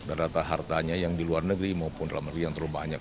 rata hartanya yang di luar negeri maupun dalam negeri yang terlalu banyak